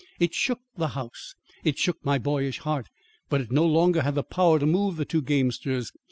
It shook the house; it shook my boyish heart, but it no longer had power to move the two gamesters.